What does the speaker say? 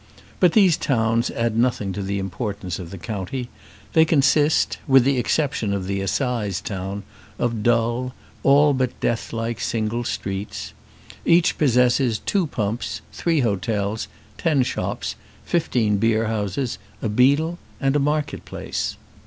But these towns add nothing to the importance of the county; they consist, with the exception of the assize town, of dull, all but death like single streets. Each possesses two pumps, three hotels, ten shops, fifteen beer houses, a beadle, and a market place.